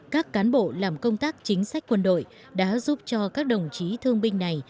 các cán bộ làm công tác chính sách quân đội đã giúp cho các đồng chí thương binh này